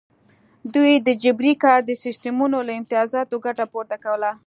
دوی د جبري کار د سیستمونو له امتیازاتو ګټه پورته کوله.